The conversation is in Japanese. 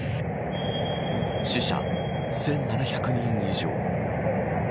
死者１７００人以上。